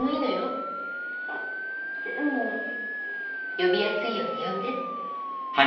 呼びやすいように呼んで。